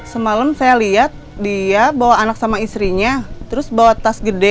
semalam saya lihat dia bawa anak sama istrinya terus bawa tas gede